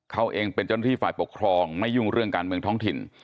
เขาเองเป็นเจ้าหน้าที่ฝ่ายปกครองไม่ยุ่งเรื่องการเมืองท้องถิ่น